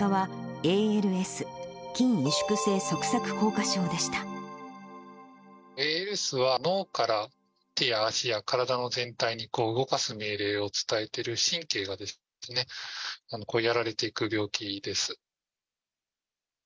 ＡＬＳは、脳から手や足の体の全体に動かす命令を伝えてる神経がですね、やられていく病気です。